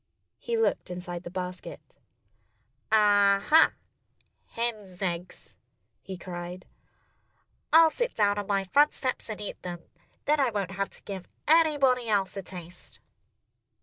He looked inside the basket. "Ah, ha! Hens' eggs!" he cried. "I'll sit down on my front steps and eat them. Then I won't have to give anybody else a taste."